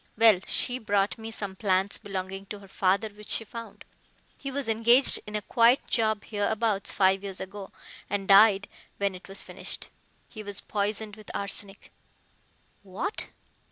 Well, she brought me some plans belonging to her father which she found. He was engaged in a quiet job hereabouts five years ago, and died when it was finished. He was poisoned with arsenic." "What!